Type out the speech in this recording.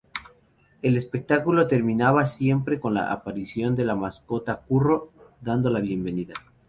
El espectáculo terminaba siempre con la aparición de la mascota Curro dando la bienvenida.